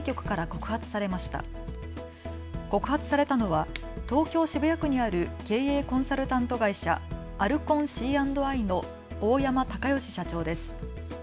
告発されたのは東京渋谷区にある経営コンサルタント会社アルコンＣ＆Ｉの大山敬義社長です。